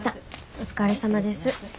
お疲れさまです。